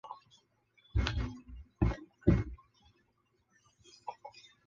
现任总统文在寅反对同性婚姻。